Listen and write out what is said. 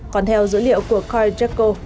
còn theo dữ liệu của cardex